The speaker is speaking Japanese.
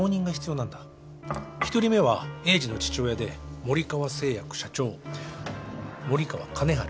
１人目は栄治の父親で森川製薬社長森川金治